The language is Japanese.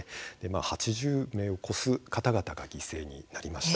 ８０名を超す方々が犠牲になりました。